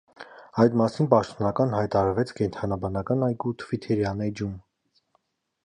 Այդ մասին պաշտոնական հայտարարվեց կենդանաբանական այգու թվիթերյան էջում։